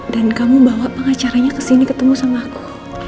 dan kamu bawa pengacaranya kesini ketemu sama aku